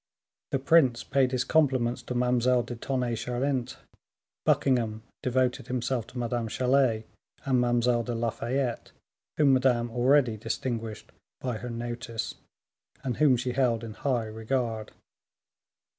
The prince paid his compliments to Mademoiselle de Tonnay Charente, Buckingham devoted himself to Madame Chalais and Mademoiselle de Lafayette, whom Madame already distinguished by her notice, and whom she held in high regard.